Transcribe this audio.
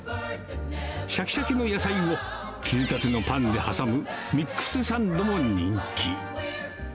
しゃきしゃきの野菜を切りたてのパンで挟むミックスサンドも人気。